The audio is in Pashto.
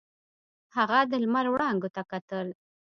هغه د لمر وړانګو ته کتل.